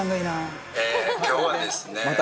今日はですね